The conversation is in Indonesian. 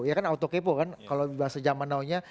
ya kan auto kepo kan kalau bahasa zaman now nya